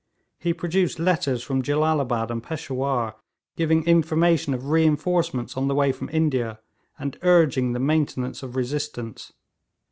He produced letters from Jellalabad and Peshawur giving information of reinforcements on the way from India, and urging the maintenance of resistance.